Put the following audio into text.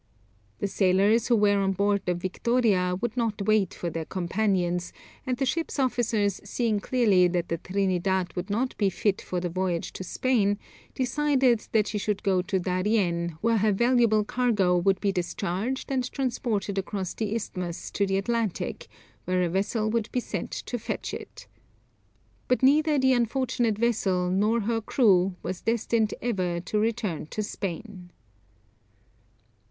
The sailors who were on board the Victoria would not wait for their companions, and the ship's officers seeing clearly that the Trinidad would not be fit for the voyage to Spain, decided that she should go to Darien, where her valuable cargo would be discharged and transported across the Isthmus to the Atlantic, where a vessel would be sent to fetch it. But neither the unfortunate vessel nor her crew was destined ever to return to Spain.